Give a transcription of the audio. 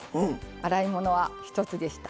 洗い物は一つでした。